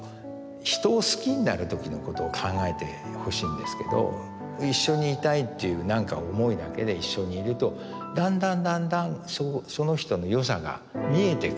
人を好きになる時のことを考えてほしいんですけど一緒にいたいっていうなんか思いだけで一緒にいるとだんだんだんだんその人のよさが見えてくる。